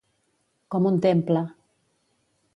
Com un temple.